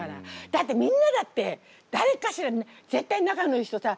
だってみんなだってだれかしら絶対仲のいい人さ